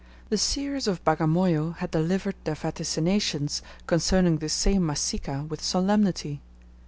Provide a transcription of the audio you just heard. The seers of Bagamoyo had delivered their vaticinations concerning this same Masika with solemnity.